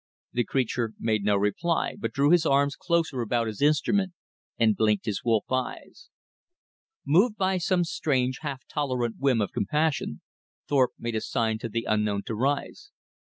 The creature made no reply, but drew his arms closer about his instrument, and blinked his wolf eyes. Moved by some strange, half tolerant whim of compassion, Thorpe made a sign to the unknown to rise.